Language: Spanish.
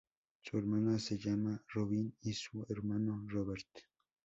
Su hermana se llama Robin y su hermano Robert.